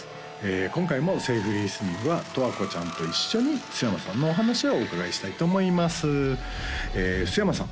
今回も「セーフリスニング」は十和子ちゃんと一緒に須山さんのお話をお伺いしたいと思います須山さん